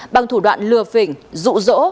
bằng thủ đoạn lừa phỉnh rụ rỗ